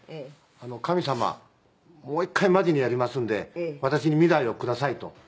神様もう１回マジにやりますんで私に未来をくださいと」